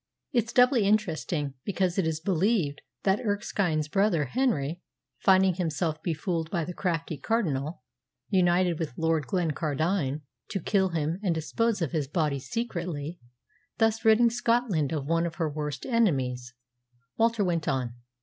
"It's doubly interesting, because it is believed that Erskine's brother Henry, finding himself befooled by the crafty Cardinal, united with Lord Glencardine to kill him and dispose of his body secretly, thus ridding Scotland of one of her worst enemies," Walter went on.